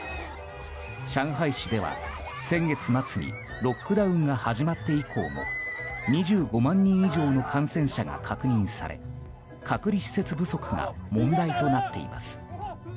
上海市では先月末にロックダウンが始まって以降も２５万人以上の感染者が確認され隔離施設不足が問題となっています。